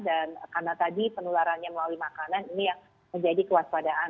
dan karena tadi penularannya melalui makanan ini yang menjadi kewaspadaan